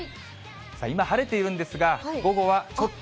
今晴れているんですが、午後はちょっと。